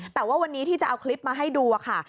แต่ว่าวันนี้ที่จะเอาคลิปมาให้ดูค่ะ